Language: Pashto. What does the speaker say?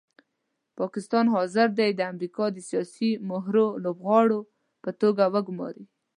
پاکستان حاضر دی د امریکا د سیاسي مهرو لوبغاړو په توګه ګوماري.